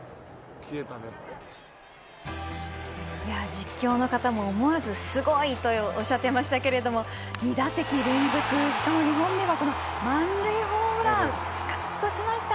実況の方も思わずすごいとおっしゃっていましたが２打席連続、しかも２本目は満塁ホームランです。